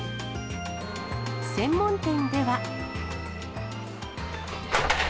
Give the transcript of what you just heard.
専門店では。